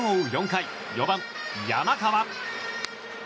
４回４番、山川。